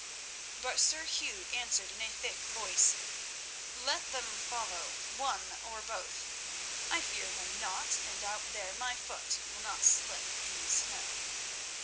But Sir Hugh answered in a thick voice. "Let them follow—one or both. I fear them not and out there my foot will not slip in the snow."